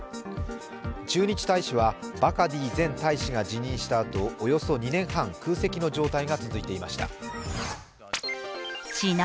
駐日大使はハガティ前大使が就任したあとおよそ２年半、空席の状態が続いていました。